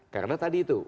karena tadi itu